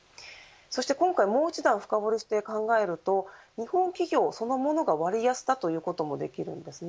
そして今回、もう一段深堀して考えると日本企業そのものが割安だということもできます。